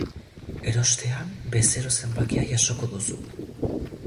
Erostean, bezero zenbakia jasoko duzu .